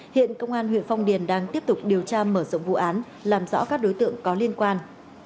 hiện công an huyện phong điền đang tiếp tục điều tra mở rộng vụ án làm rõ các đối tượng có liên quan